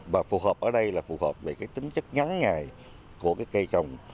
và phù hợp ở đây là phù hợp với cái tính chất ngắn ngày của cái cây trồng